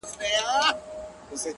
• په څه لږو الوتو سو په ځان ستړی -